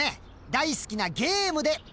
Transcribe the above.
大好きなゲームで。